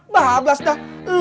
wah babas dah